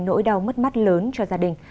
nỗi đau mất mắt lớn cho gia đình